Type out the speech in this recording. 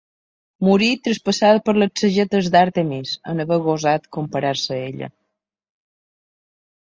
Morí traspassada per les sagetes d'Àrtemis, en haver gosat comparar-se a ella.